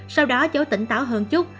sau đó cháu tỉnh táo hơn chút